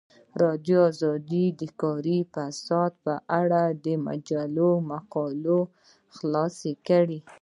ازادي راډیو د اداري فساد په اړه د مجلو مقالو خلاصه کړې.